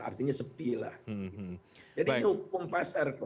oke pertamax bukan tidak atas semua ya tahu ya pertamax bukan tidak atas semua ya tahu ya